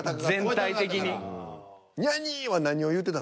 全体的に。